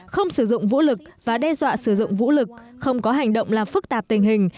không sử dụng vũ lực và đe dọa sử dụng vũ lực không có hành động làm phức tạp tình hình